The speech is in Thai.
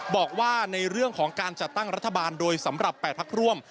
บอกว่าในเรื่องของการจัดตั้งรัฐบาลโดยสำหรับ๘พักร่วม